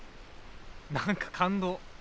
何か感動。